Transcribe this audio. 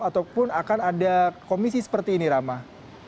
ataupun akan ada komisi seperti ini ramah